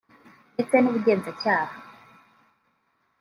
ndetse n’ubugenzacyaha